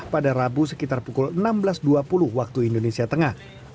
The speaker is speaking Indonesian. pada rabu sekitar pukul enam belas dua puluh waktu indonesia tengah